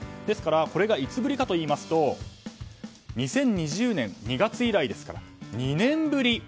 ですからこれがいつぶりかといいますと２０２０年２月以来ですから２年ぶり。